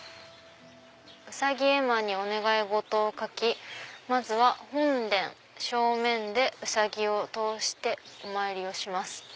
「うさぎ絵馬にお願い事を書きまずは本殿正面で兎を通してお参りをします。